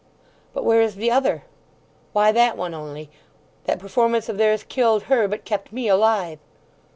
But where is the other? Why that one only?... That performance of theirs killed her, but kept me alive!"